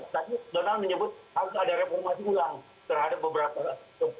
tapi donald menyebut harus ada reformasi ulang terhadap beberapa